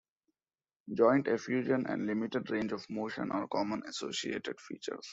Joint effusion and limited range of motion are common associated features.